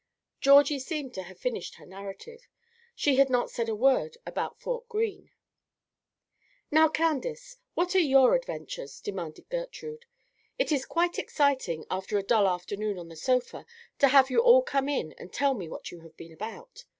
Georgie seemed to have finished her narrative. She had not said a word about Fort Greene. "Now, Candace, what are your adventures?" demanded Gertrude. "It is quite exciting, after a dull afternoon on the sofa, to have you all come in and tell me what you have been about.